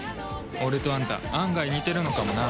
俺とあんた案外似てるのかもな。